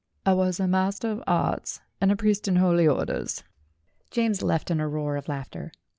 "I was a Master of Arts and a priest in Holy Orders." James left in a roar of laughter.